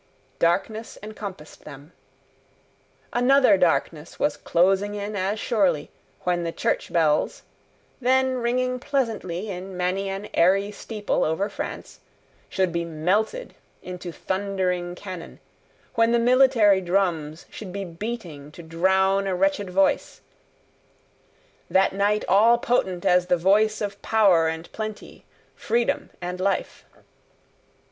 Darkness encompassed them. Another darkness was closing in as surely, when the church bells, then ringing pleasantly in many an airy steeple over France, should be melted into thundering cannon; when the military drums should be beating to drown a wretched voice, that night all potent as the voice of Power and Plenty, Freedom and Life.